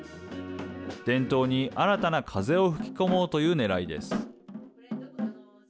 伝統に新たな風を吹き込もうというねらいです。